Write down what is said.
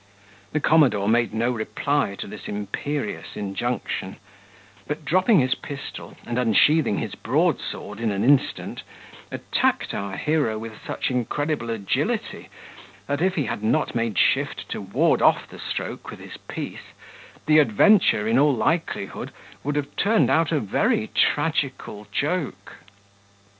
The commodore made no reply to this imperious injunction; but, dropping his pistol, and unsheathing his broad sword in an instant, attacked our hero with such incredible agility, that if he had not made shift to ward off the stroke with his piece, the adventure, in all likelihood, would have turned out a very tragical joke.